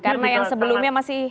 karena yang sebelumnya masih